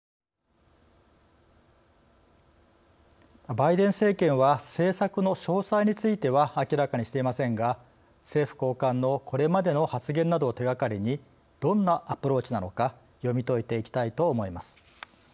バイデン政権は政策の詳細については明らかにしていませんが政府高官のこれまでの発言などを手がかりにどんなアプローチなのか読み解いていきたいと思います。